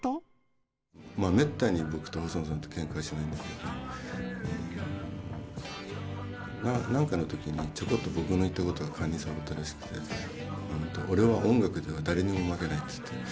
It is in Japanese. まあめったに僕と細野さんってけんかはしないんだけれども何かの時にちょこっと僕の言ったことがかんに障ったらしくて「俺は音楽では誰にも負けない」っつって。